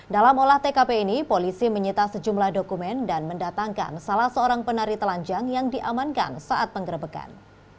dalam olah tkp ini polisi menyita sejumlah dokumen dan mendatangkan salah seorang penari telanjang yang diamankan saat penggerbekan